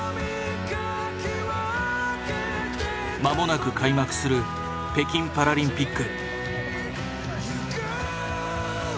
間もなく開幕する北京パラリンピック。